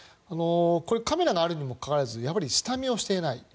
カメラがあるにもかかわらず下見をしていない。